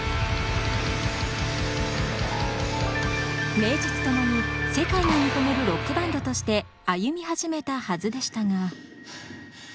名実ともに世界が認めるロックバンドとして歩み始めたはずでしたが。